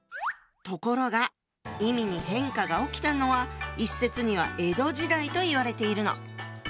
ところが意味に変化が起きたのは一説には江戸時代といわれているの。